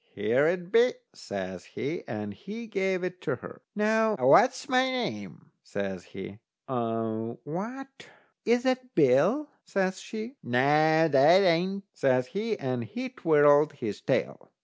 "Here it be," says he, and he gave it to her. "Now, what's my name?" says he. "What, is that Bill?" says she. "Noo, that ain't," says he, and he twirled his tail.